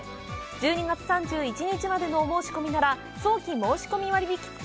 １２月３１日までのお申し込みなら早期申込割引付き！